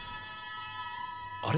あれ？